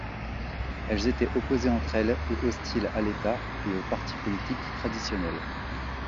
Elles étaient opposées entre elles et hostiles à l'État et aux partis politiques traditionnels.